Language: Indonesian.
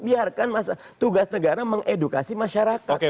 biarkan tugas negara mengedukasi masyarakat